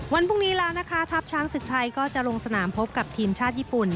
วันพรุ่งนี้แล้วนะคะทัพช้างศึกไทยก็จะลงสนามพบกับทีมชาติญี่ปุ่น